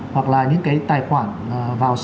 hoặc là những cái tài khoản vào sách